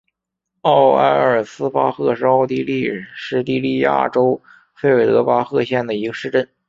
奥埃尔斯巴赫是奥地利施蒂利亚州费尔德巴赫县的一个市镇。